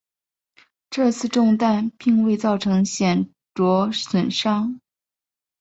这次中弹并未造成显着损伤。